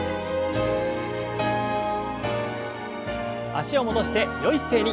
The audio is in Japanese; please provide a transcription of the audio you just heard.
脚を戻してよい姿勢に。